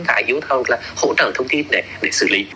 và hỗ trợ thông tin để xử lý